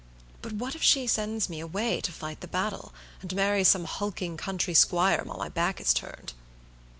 But what if she sends me away to fight the battle, and marries some hulking country squire while my back is turned?"